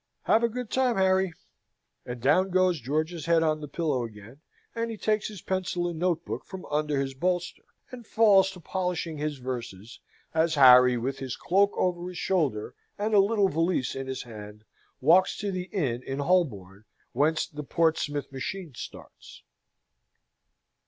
"Have a good time, Harry!" and down goes George's head on the pillow again, and he takes his pencil and notebook from under his bolster, and falls to polishing his verses, as Harry, with his cloak over his shoulder and a little valise in his hand, walks to the inn in Holborn whence the Portsmouth machine starts.